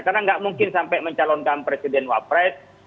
karena nggak mungkin sampai mencalonkan presiden wapret